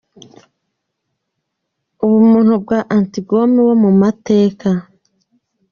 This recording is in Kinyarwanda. Ubumuntu bwa Antigone wo mu mateka.